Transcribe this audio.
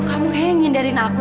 oke dok permisi saya dulu